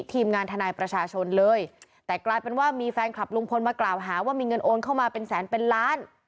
ทีมงานทนายประชาชนเลยแต่กลายเป็นว่ามีแฟนคลับลุงพลมากล่าวหาว่ามีเงินโอนเข้ามาเป็นแสนเป็นล้าน